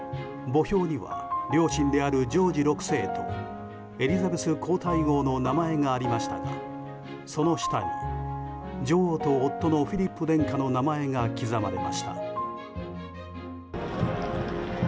墓標には両親であるジョージ６世とエリザベス皇太后の名前がありましたがその下にフィリップ殿下の名前が刻まれました。